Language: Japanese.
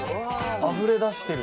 あふれ出してる。